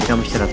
makasih ya diva